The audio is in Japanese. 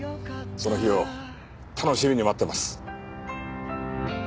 その日を楽しみに待ってます。